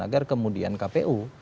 agar kemudian kpu